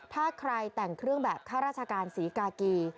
ถ้าใครแต่งเครื่องแบบข้าราชการศรีกากี